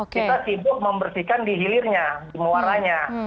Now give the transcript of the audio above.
kita sibuk membersihkan di hilirnya di muaranya